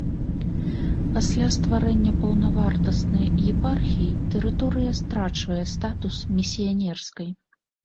Пасля стварэння паўнавартаснай епархіі тэрыторыя страчвае статус місіянерскай.